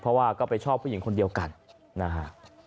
เพราะว่าก็ไปชอบผู้หญิงคนเดียวกันนะฮะ